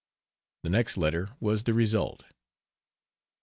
The next letter was the result.